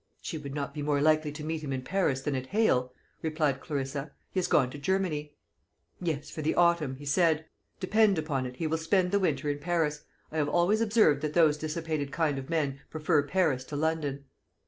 "She would not be more likely to meet him in Paris than at Hale," replied Clarissa. "He has gone to Germany." "Yes, for the autumn, he said. Depend upon it, he will spend the winter in Paris. I have always observed that those dissipated kind of men prefer Paris to London."